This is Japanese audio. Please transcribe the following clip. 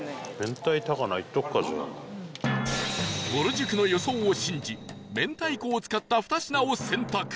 ぼる塾の予想を信じ明太子を使った２品を選択